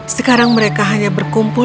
sekarang mereka hanya berkumpul